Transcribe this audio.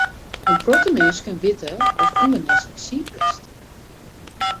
In protte minsken witte datst ûngenêslik siik bist.